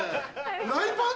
フライパン？